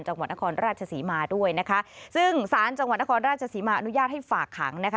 จังหวัดนครราชศรีมาด้วยนะคะซึ่งศาลจังหวัดนครราชสีมาอนุญาตให้ฝากขังนะคะ